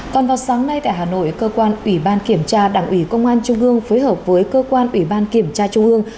còn vào sáng nay tại hà nội cơ quan ủy ban kiểm tra đảng ủy công an trung ương phối hợp với cơ quan ủy ban kiểm tra trung ương